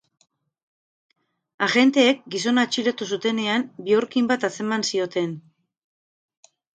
Agenteek gizona atxilotu zutenean, bihurkin bat atzeman zioten.